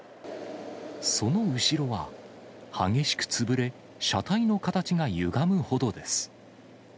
その後ろは激しく潰れ、車体の形がゆがむほどです。